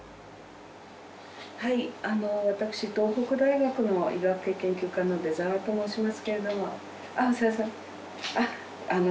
はいあの私東北大学の医学系研究科の出澤と申しますけれどもあっお世話さま